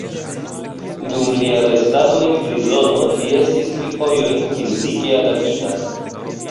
Dum lia restado en prizono li estis tri fojojn fizike atakita.